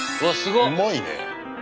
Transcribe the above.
うまいね。